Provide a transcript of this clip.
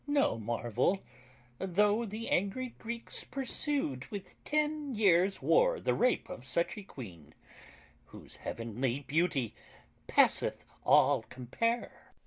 No marvel though the angry Greeks pursu'd With ten years' war the rape of such a queen, Whose heavenly beauty passeth all compare.